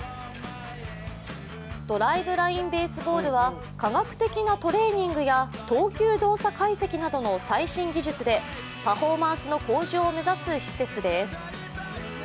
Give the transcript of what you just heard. ドライブライン・ベースボールは科学的なトレーニングや投球動作解析などの最新技術でパフォーマンスの向上を目指す施設です。